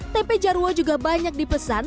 tempe jarwo juga banyak dipesan